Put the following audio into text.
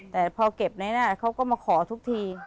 แต่พอเก็บไว้ได้เขาก็มาขอทุกที